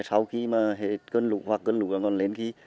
sau khi mà hết cơn lụt hoặc cơn lụt còn lên khi